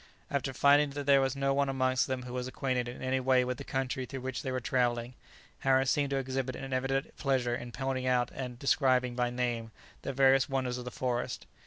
After finding that there was no one amongst them who was acquainted in any way with the country through which they were travelling, Harris seemed to exhibit an evident pleasure in pointing out and describing by name the various wonders of the forest.